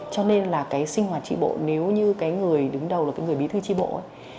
cho nên là cái sinh hoạt tri bộ nếu như cái người đứng đầu là cái người bí thư tri bộ ấy